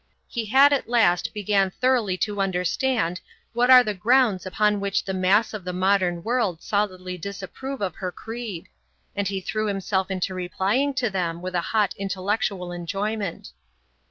He had at last begun thoroughly to understand what are the grounds upon which the mass of the modern world solidly disapprove of her creed; and he threw himself into replying to them with a hot intellectual enjoyment.